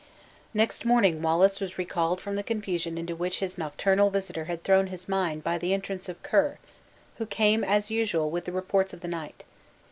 Next morning Wallace was recalled from the confusion into which his nocturnal visitor had thrown his mind by the entrance of Ker, who came, as usual, with the reports of the night.